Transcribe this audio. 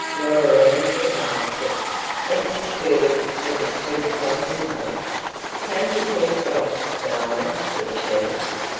Laura ran for the basket. It was filled, it was heaped by her mother. "Take it yourself, darling," said she.